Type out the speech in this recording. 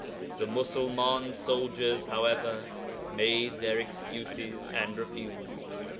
The Musulman soldiers, however, made their excuses and refused.